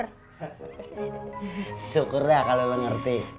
hehehe syukur lah kalau lo ngerti